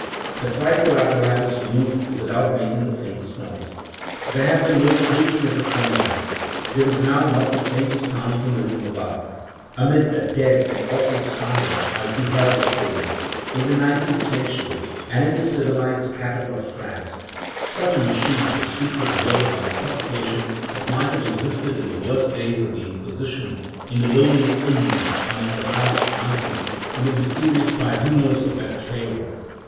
The frightful apparatus moved without making the faintest noise. There had been no creaking as it came down; there was now not the faintest sound from the room above. Amid a dead and awful silence I beheld before me — in the nineteenth century, and in the civilized capital of France — such a machine for secret murder by suffocation as might have existed in the worst days of the Inquisition, in the lonely inns among the Hartz Mountains, in the mysterious tribunals of Westphalia!